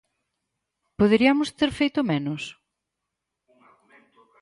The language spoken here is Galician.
¿Poderiamos ter feito menos?